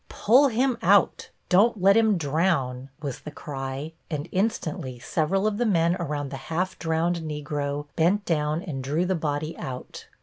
"Pull him out; don't let him drown," was the cry, and instantly several of the men around the half drowned Negro bent down and drew the body out.